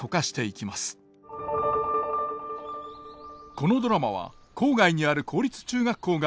このドラマは郊外にある公立中学校が舞台。